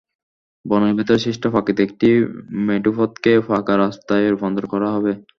বনের ভেতরে সৃষ্ট প্রাকৃতিক একটি মেঠোপথকে পাকা রাস্তায় রূপান্তর করা হবে।